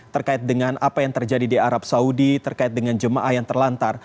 terkait dengan apa yang terjadi di arab saudi terkait dengan jemaah yang terlantar